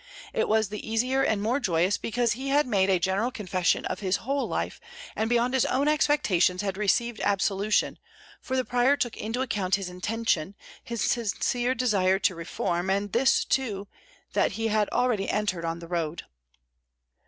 It was the easier and more joyous because he had made a general confession of his whole life, and beyond his own expectations had received absolution, for the prior took into account his intention, his sincere desire to reform, and this too, that he had already entered on the road.